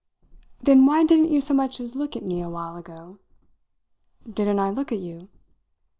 "Then why didn't you so much as look at me a while ago?" "Didn't I look at you?"